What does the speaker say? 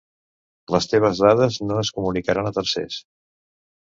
Les teves dades no es comunicaran a tercers.